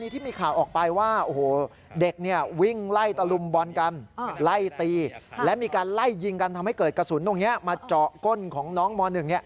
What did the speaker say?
ทำให้เกิดกระสุนตรงนี้มาเจาะก้นของน้องม๑